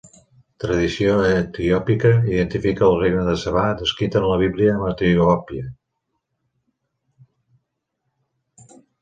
Tradició etiòpica identifica el regne de Sabà descrita en la Bíblia amb Etiòpia.